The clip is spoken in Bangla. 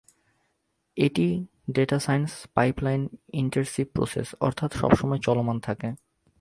একটি ডেটাসাইন্স পাইপলাইন ইটারেটিভ প্রসেস অর্থাৎ সবসময় চলমান থাকে।